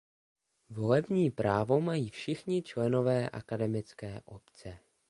Volební právo mají všichni členové akademické obce.